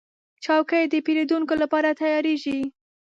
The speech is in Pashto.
چوکۍ د پیرودونکو لپاره تیارېږي.